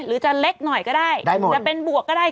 หรือจะเล็กหน่อยก็ได้จะเป็นบวกก็ได้